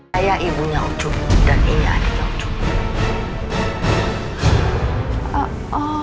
saya ibunya ucuk dan ini adiknya